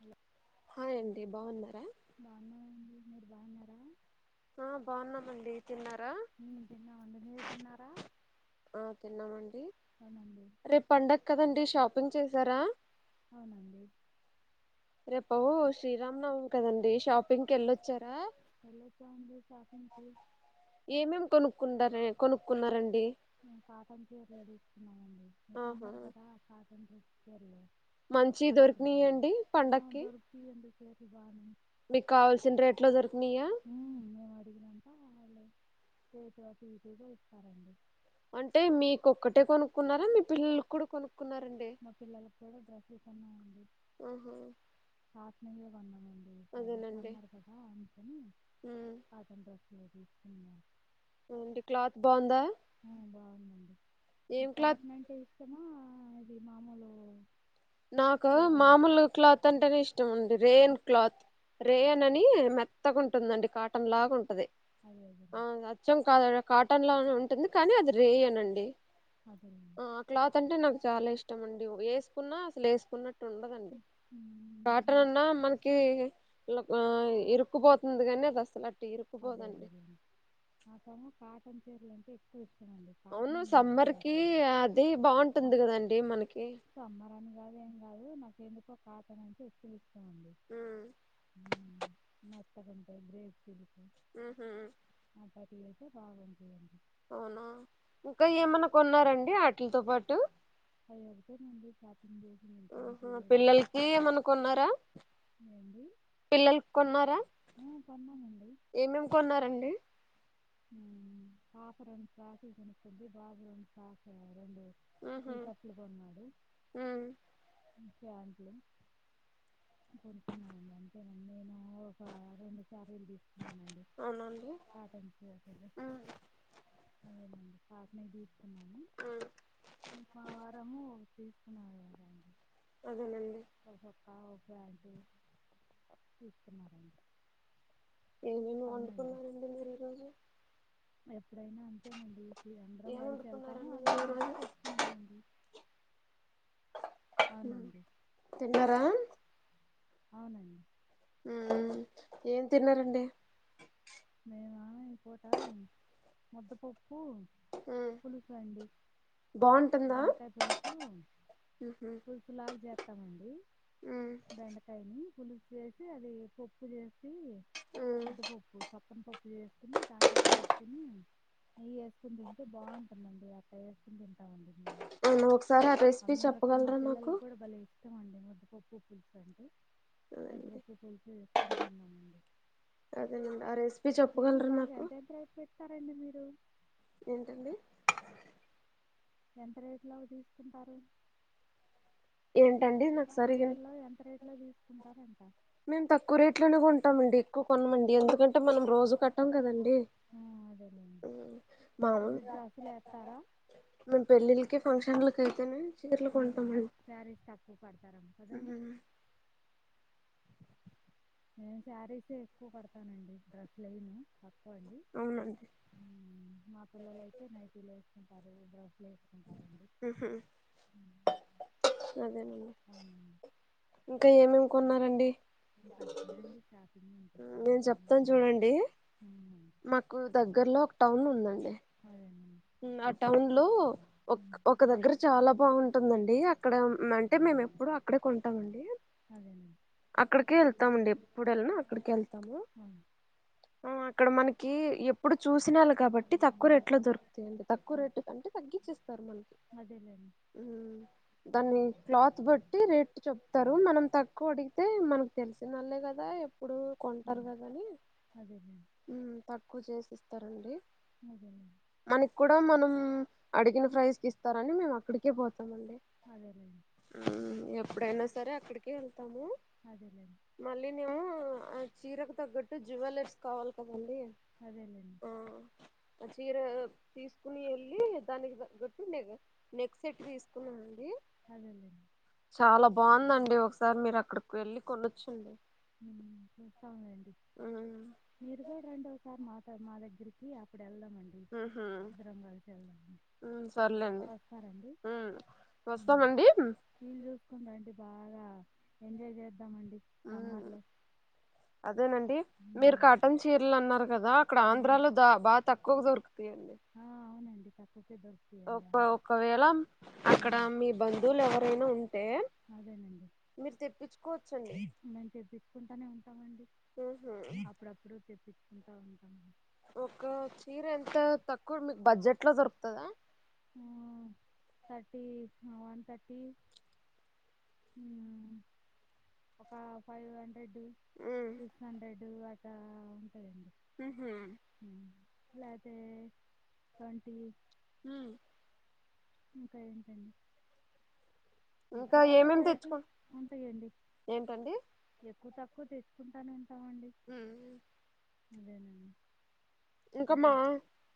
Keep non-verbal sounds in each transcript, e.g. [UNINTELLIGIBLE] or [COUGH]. Hello hi అండి బాగున్నారా బాగున్నానండి మీరు బాగున్నారా ఆ బాగున్నామండి తిన్నారా మేము తిన్నామండి మీరు తిన్నారా ఆ తిన్నామండి అవునండి రేపు పండక్కదండి షాపింగ్ చేసారా అవునండి రేపు శ్రీరామ్నవమి కదండి షాపింగ్కి వెళ్ళొచ్చారా వెళ్ళచ అండి షాపింగ్ కి ఏమేం కొనుక్కున్నార కొనుక్కున్నారండి కాటన్ చీరలు తీసుకున్నామండి ఆహా సమ్మర కదా కా తం ఎన్నా మంచి దొరికినాయాండి పండగకి దొరుకుతాయండి చీరలు బానే మీకు కావాల్సిన రేట్లు దొరికినాయా ఇదంతా కాదులే వాళ్ళు రేటు చతగా ఇస్తారండి అంటే మీకొక్కటే కొనుక్కున్నారా మీ పిల్లలు కూడా కొనుక్ మా పిల్లలు కూడ కసి పన్నమండి ఉహూ పాత్మయే కొంత అడి సర సమ్మారు కదా ఉంచని ఉమ్ కాటన్ డ్రెస్ లేదుకున్నా అంటడి క్లాత్ బాగుందా బాగుందండి మ ఏం క్లాత్ సాట్నంటే ఇష్ట మ ఆ అది మామూలు నాకు చీరలంటే మామూలు క్లాత్ అంటే ఇష్టం ఇష్టంండి రేయన్ క్లాత్ రేయన్ అని మెత్తగాంటుందండి కాటన్ లాగా ఉంటది అదే అదేలే ఆ అచ్చం కాదడ కాటన్ లో ఉంటుంది కానీ అది రేయనండి అదేలేండి ఆ క్లాత్ అంటే నా చాలా ఇష్టం అండి వేసుకున్నా లేసుకున్నట్ ఉండదండి మ్మ్. కాటన్ నాకు అన్నా మనకి ఇరుక్పోతుంది కానీ అది అసలు అదే ఇరుక్కుపోదండి అదే మా కాటన్ ంటే ఎక్వ ఇష్టం ండి అవును పాటనే నేను ఎక్కువ సమ్మర్ కి వంటాను అది బాగుంటుంది కదండి మనకి సమ్మర్ అని కాదు ఏమి కాదు నాకే కాటన అంట ఎక్కువ ఇం డి ఉమ్ మ ంట గ్రే ఆ హ పతే బాగుందింది అవునా ఇంకా ఏమన్నా కొన్నారంండి ఆటలతో పాటు అవి ఒకటేనండి షాపింగ్ చేసి ఇంకేం ఆహా చేయలేదండి ఏండి పిల్లల కొన్నారా ఆ, కొన్నామండి ఏమేమి కొన్నారంండి పాఫ రెం సాకులు కొనుకుంది బాబు రెం సాకు రెండు టీ ఆహా కప్పులు కొన్నాడు ఉమ్ ఫ్యాంట్లు వ ఒక రెండు సారీలు తీస్తున్నానండి అవునండి కాటన్ [INAUDIBLE] ఉమ్ లేనండి అకున్నాయి బీచ్ మం ఉమ్ మా వారము తీసుకున్నారు గాదం డి అదే నండి హా ఒకే ఆండీ తీసుకున్నారండి ఏమేమి అవునండి వండుకున్నారండి మీరు ఈ రోజు ఎప్పుడైనా అంతెనండి అందరం ఏం కలిసి వెళ్తాము వండుకున్నారండి అందరం మీరు ఈరోజు కలిసి తెచ్చుకుంటామండి అవునండి తిన్నర అవునండి ఉమ్ ఏం తిన్నారండి మేవా ఇ పుట ముద్ద ప ప్పు ఉమ్ పులుసు అండి బాగుంటుందా బెండకాయ పులుసు ఉహు పులుసులాగా చేస్తామండి ఉమ్ బెండకాయని పులుసు చేసి అది పప్పు చేస్త సి ఉమ్ ముద్ద పప్పు చే పప్పు చేసుకుని దాంట్లోకి ఏసుకుని నెయ్యి ఏసుకుని తింటే బాగుంటుందండి. అట్ట వేసుకుని తిం అవును ఒకసారి ఆ రెసిపీ చెప్పగలరా నాకు ష్టంమండి ముద్దపప్పు పులుసు అంటే అదేనండి ముద్దపప్పు పూలుసు వేసుకునీ తిన్నామండి అదేనండి ఆ రెసిపీ సేర్లు చెప్పగలరా బాగా నాకు ఎంతేంత రేట్ పెడతారెంది మీర్ ఏంటండి ఎంత రేట్లో అవి తీసుకుంటారు ఏంటండి నాకు సరిగ ఏట్ల తీసుకుంటరాని మేము తక్కువ రేట్లోనే కొంటామండి. ఎక్కువ కొనమండి ఎందుకంటే మనం రోజు కట్టాం కదండి ఆ, అదేలేండి మామ్ మీరు డ్రెస్సులు వేస్తారా మేము పెళ్ళిళ్ళకి ఫంక్షన్లకు అయితేనే చీరలు హు కొంటామండి సారిస్ తక్కువ కడతారెమో కదండి నేను శారీసే ఎక్కువ కడతానండి డ్రేస్సులు ఏయను ఏవండీ అవునండి మా పిల్లలయితే నైటీలు వేసుకు సరే బ హ్ హ్ ఉమ్, అదేనండి అవునండి ఇంకా ఏమేము కోన్నారండి నాకు అంతేనండి షాపింగ్ నేను ఎక్కువ ఏం నేను చెప్తాను కొనలేదండి చూడండి ఉమ్, మాకు దగ్గర్లో ఒక టౌన్ ఉందండి అదేనండి ఉ ఆ టౌన్ లో ఒక ఉమ్, ఒక దగ్గర చాలా బ బాగుంటుందండి అక్కడ అంటే మేము ఎప్పుడు అక్కడే కొంటాం అండి అదేనండి అక్కడకేల్ తం అండి ఎప్పుడెల్లిన్నా అక్కడికెళ్ త్తము అవును ఆ అక్కడ మనకి ఎప్పుడు చూసినళ్ కాబట్టి తక్కువ రేట్లో దొరుకు తక్కువ అదే- రేటుకంటే తగ్గించేస్త స్తారు మనకి అదేలేండి ఉమ్ దాన్ని క్లాత్ బట్టి రేట్ చెప్తారు మనం తక్కువ అడిగితే మనకు తెలిసినోళ్లే కదా ఎప్పుడు కొంటారు ఉమ్, కాదని అదేలేండి తక్కువ చేస్ స్తారండి అదేలేండి మనకి కూడా మనం అడిగిన ప్రైజ్ కి ఇస్తారని మేము అక్కడికే పోతాం అదేదే ఎప్పుడైనా సరే అక్కడికేళ్ కెళ్తము అదేలేండి మళ్ళీను ఆ చీరకు తగ్గట్టు జ్యువెలర్స్ కావాలిగ అదేలేండి ఆ చీరా తీసుకుని వెళ్ళి దానికి తగ్గట్టు నెక్ సెట్ తీసుకున్న అండి అదలేండి చాలా బాగుందండి ఒకసారి మీరు అక్కడికి వెళ్ళి కొన్నొచ్చు చూస్తాంలేండి ఉమ్ మీరు కూడా రండి ఓసారి మాత్ మా దగ్గరికి అప్పుడ్ ఉహు వెళ్దామండి ఉహ్ పర్లేదు వస్తారండి ఉమ్. వస్తామండి వీలు చూసుకుని రండి బాగా ఎంజాయ్ చేద్దామండి హు సమ్మర్లో అదేనండి మీరు ఉమ్. కాటన్ చీరలు అన్నారు కదా ఇక్కడ ఉమ్. ఆంధ్రాలో దా బా తక్కువ కువ దొరుకుతాయి ఆ అవునండి తక్కువ ఓ బా ఒకవేళ అక్కడ ఉమ్. మీ బంధువులు ఎవరైనా ఉంటే అదేనండి మీరు తెప్పించుకోవచ్చండి మేము తెప్పించుకుంటానే ఉంటామండి హా ఉంటా ఉంటాం ఒక చీర ఎంత తక్కువ మీకు బడ్జెట్ లో దొరుకుతదా ఆ థర్టీ వన్ థర్టీ ఒక ఫైవ్ హ సిక్స్ హండ్రెడ్ అట్లా ఉంటుందండి ఊహూ [INAUDIBLE] హ్మ్ ఇంకా ఏంటండి [INAUDIBLE] ఇంకా ఎక్కువ తక్కువ ఏమేమి రేట్లు తెచ్చుకు ఉంటాయండి ఏంటండి ఎక్కువ తక్కువ ఎక్కువ తీసుకుంటానండి హ్మ్ అదేనండి [INAUDIBLE] ఇంకా మా ఇంకే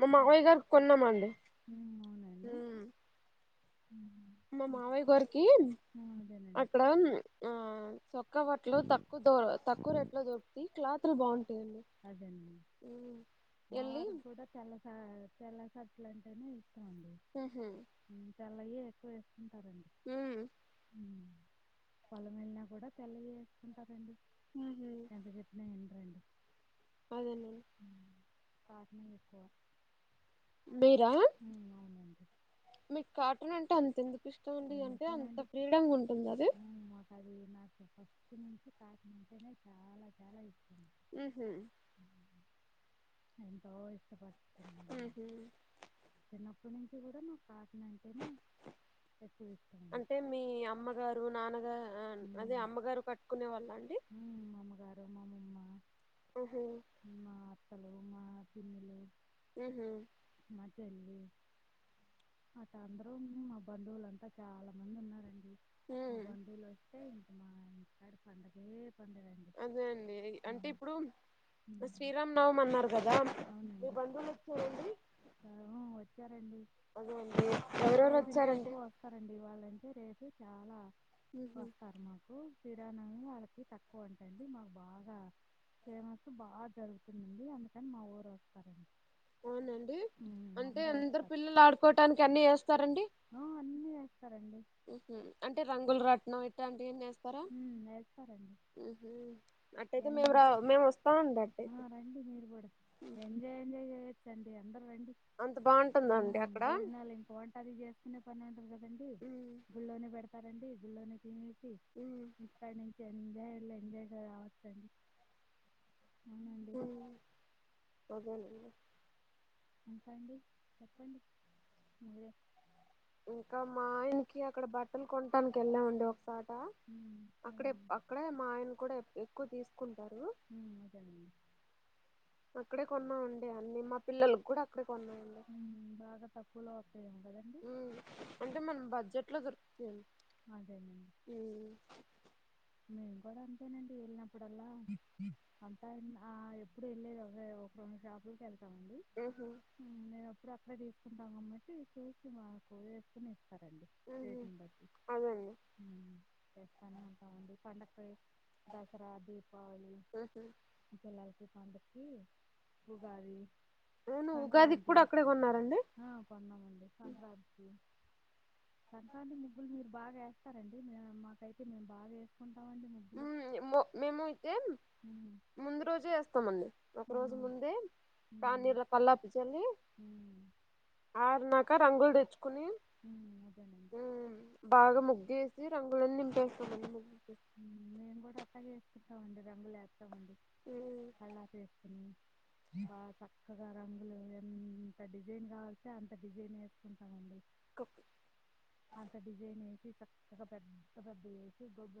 మా మావయ్య గారికి కొన్నామండి ఉమ్, అవునండి ఉమ్, మా ఇంక- మావయ్య గారు ఆ, అదేనండి అక్కడ ఆ చ తక్క వట్లో తక్కువ ద తక్కువ రేట్ లో దొరికిద్ది క్లాత్ పలు బంన్ [INAUDIBLE] ఎళ్ళి [INAUDIBLE] [INAUDIBLE] ఊహూ [INAUDIBLE] హ్మ్ పొలం వెళ్లిన కూడా తెల్లయే వేసుకుంటారండి ఉహు ఎంత చెప్పినా వినరు అదేనండి కాట్నా ఎక్కువ మీరా ఉమ్, అవునండి మీకు కాటన్ అంటే అం స ఇష్టం ఉంది అంటే అంత ఎందుకోనండి ఫ్రీడం గా ఉంటుంది అది హ్మ్. మాకది [INAUDIBLE] ఆహ [INAUDIBLE] హ్మ్ ఇప్పటి నుంచి కూడా నాకు కాటన అంటేనే అంటే మీ అమ్మగారు నాన్నగ ఆ అదే హ్మ్. అమ్మగారు కట్టుకునే వాళ్ళు అండి వరమమమ్మా ఓహో మా పిన్ని లు మ్మ్ హ్మ్ చెల్లి అట అందరూ మా బంధువులంతా చాలా మంది ఉన్నారండి ఉ మా బంధువులు వస్తే ఇంకా మా ఇ అ ప ఇ అదే అండి అంటే ఇప్పుడు హ్మ్. శ్రీరామ్ నవం అన్నారు కదా మీ అవునండి. బంండువులు వచ్చాయండి ఆ! [INAUDIBLE] అదే అండి ఎవరెవరు వచ్చారండి అయిే రేపు చాలా ఉహు వస్తారు మాకు కిరణం వాళ్లకి తక్కువ అంటండి మాకు బాగా ఫేమస్ బాగా జరుగుతుంది అండి అందుకని మా ఊరు వస్తారండి అవునండి ఉమ్, అంటే అందరూ అందరు వస్తారు పిల్లలు ఆడుకోటానికి అన్ని వేస్తారండి ఆ, అన్నీ వేస్తారండి అంటే రంగులు రట్నం ఈట్టంటి సరే ఉమ్, వేస్తారండి మ్మ్ హ్మ్ అట్టయితే ఎన్ మేము రా మేము వస్తామండి ఆ, అట్టయితే రండి చండి అందరుండి అంత బాగుంటుందండి అక్కడ భోజనాలు ఇంక వంటది చేసుకునే పని ఉండది కదండి ఉ గుళ్లో నే పెడతారు [INAUDIBLE] [INAUDIBLE] [INAUDIBLE] ఉ ఎంజాయ్ ఎంజాయ్ గ రావచ్చండి అవునండి ఊ అదేన ఇంకండి చెప్పండి మురే ఇంకా మా ఆయనకి అక్కడ బట్టలు కొనటానికి వెళ్ళామండి ఒకసారి హలో ఉమ్, అక్కడ అదేనండి అక్కడే మా ఆయన కూడా ఎక్కువ తీసుకుంటారు [INAUDIBLE] అక్కడే కొన్నాం అండి అన్ని మా పిల్లలు కూడా అక్కడ కొన్నా అండి ఉమ్, బాగా తక్కువలో వస్తాయేమో కదండి మ్ అంటే మన బడ్జెట్ లో దో అదేనండి మ్మ్ [INAUDIBLE] ప్పుడలా అంతా ఇన్న ఆ ఎప్పుడు వెళ్ళేది అవే ఒకే ఒక రెండు షాపులకి వెళ్తా ల్తామ్ అండి ఉహు మ్ ఇప్పుడు అక్కడ తీసుకుంటాం కాబట్టి చూసి మాకు వేసుకుని ఇం సరే అండి ఉహు రేటు ని బట్టి అదండి చేస్తానే ఉంటామండి పండగ కి దసరా దీపావళి ఉహు పిల్లలకి [UNINTELLIGIBLE] ఉగాది అవును ఉగాదికి సంక్రాంతి కూడా అక్కడే కొన్నారండి ఆ కొన్నామండి సంక్రాంతి కి సంక్రాంతి ము మీరు బాగా వేస్తారండి మాకైతే మేము బాగా [UNINTELLIGIBLE] ముగ్గులు మ మేము అయితే ఉమ్, ముందు రోజే వేస్తామండి ఒక ఆ, రోజు ముందే [UNINTELLIGIBLE] ఉమ్, నీళ్ళ కల్లాపి చల్లి ఉమ్, ఆ నాక రంగులు తెచ్చు ఉ అదేనండి ఆ రంగులన్నీ నింపేస్తాం అండి మేము కూడా అట్లాగేసుకుంటాం అండి రంగులే అలా చేసుకుని బాగా చక్కగా రంగులు ఎంత డిజైన్ కావల్స్తే అంత డిజైన్ వేసుకుంటామండి అంత డిజైన్ ఏ పెద్ద పెద్ద వేసి గోబ్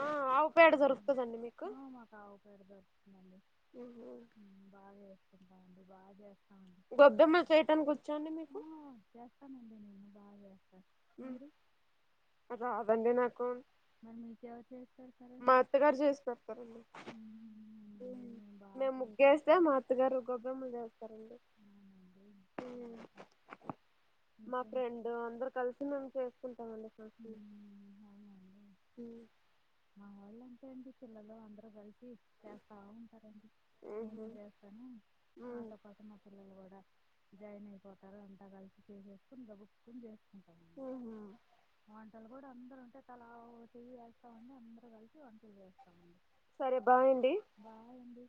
ఆ ఆవు పేడ దొరుకుతదండి ఆ మా కాడ పెడతాం మల్లి మ్మ్ బాగుంది బాగా చేస్తాం గొబ్బెమ్మలు చేయటానికి వచ్చోండ ఆ! మీకు చేస్తానండి నేను బా చేస్తాను. మీరు? అ రాదండి నాకు మరి మీకు ఎవరికీ మా అత్తగారు చేసి పెడతారండి, హ్మ్. అవునండి. బా మేము ముగ్గేస్తే చేసుకుంటాం. మా అత్తగారు గొబ్బెమలు చేస్తారండి అవునండి. మ్ హ్మ్. మా ఇంకేంటి? ఫ్రెండ్ అందరు కలిసి మేము చేసుకుంటామండి ఊ హ్మ్. అవునండి. ఏంటేంటి పిలలు అందరు కలిసి చేస్తా ఉంటారండి నేను చేస్తాను నాతో పాటు మా పిల్లలు కూడా జాయిన్ అయిపోతారు అంతా కలిసి చేసేసుకు ఇంకా ఉప్పుకున చేసుకుంటారు పంటలు కూడా అందరు ఉంటేలా చెయాలి మండి అందరరు కలిసి వంటలు చేస్తామండి సరే బాయ్ అండి బాయండి.